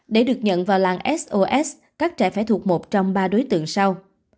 để được nhận vào làng sos các trẻ phải thuộc một trong ba đối tượng sau